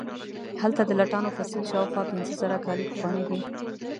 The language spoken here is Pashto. هلته د لټانو فسیل شاوخوا پنځه زره کاله پخوانی دی.